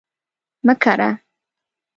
مه کره